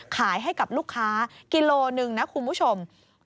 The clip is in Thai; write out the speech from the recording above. ขายให้กับลูกค้ากิโลหนึ่งนะคุณผู้ชม